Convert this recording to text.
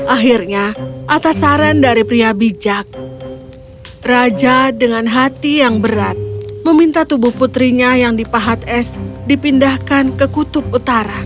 akhirnya atas saran dari pria bijak raja dengan hati yang berat meminta tubuh putrinya yang dipahat es dipindahkan ke kutub utara